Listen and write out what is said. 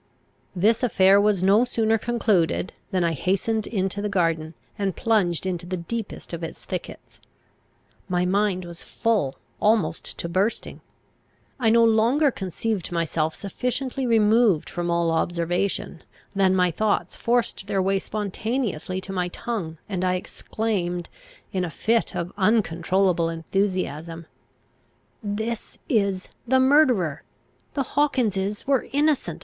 This affair was no sooner concluded, than I hastened into the garden, and plunged into the deepest of its thickets. My mind was full, almost to bursting. I no sooner conceived myself sufficiently removed from all observation, than my thoughts forced their way spontaneously to my tongue, and I exclaimed, in a fit of uncontrollable enthusiasm, "This is the murderer; the Hawkinses were innocent!